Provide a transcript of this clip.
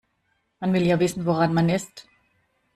Man will ja wissen, woran man ist.